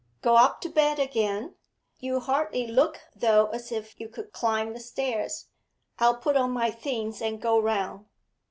Go up to bed again; you hardly look, though, as if you could climb the stairs. I'll put on my things and go round.'